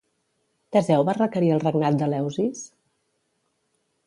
Teseu va requerir el regnat d'Eleusis?